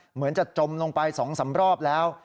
เหมือนจะจมลงไปสองสามรอบแล้ว